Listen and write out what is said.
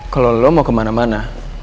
kalau lo mau kemana mana